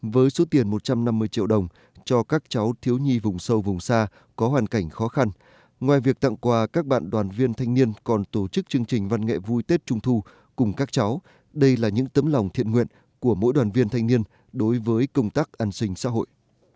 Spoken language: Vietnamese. với số tiền một trăm năm mươi triệu đồng cho các cháu thiếu nhi vùng sâu vùng xa có hoàn cảnh khó khăn ngoài việc tặng quà các bạn đoàn viên thanh niên còn tổ chức chương trình văn nghệ vui tết trung thu cùng các cháu đây là những tấm lòng thiện nguyện của mỗi đoàn viên thanh niên đối với công tác an sinh xã hội